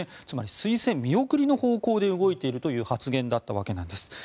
つまり、推薦見送りの方向で動いているという発言だったわけです。